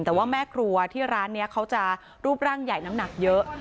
แต่ว่าแม่ครัวที่ร้านนี้เขาจะรูปร่างใหญ่น้ำหนักเยอะ